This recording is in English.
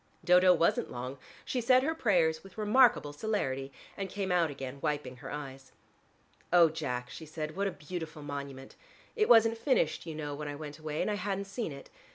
Dodo wasn't long: she said her prayers with remarkable celerity, and came out again wiping her eyes. "Oh, Jack," she said, "what a beautiful monument: it wasn't finished, you know, when I went away and I hadn't seen it.